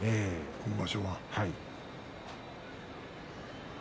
今場所は。